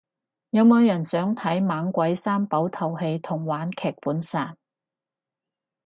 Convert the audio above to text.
有冇人想睇猛鬼三寶套戲同玩劇本殺